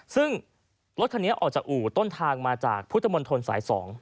ซึ่งรถคันนี้ออกจากอู่ต้นทางมาจากพุทธมนตรสาย๒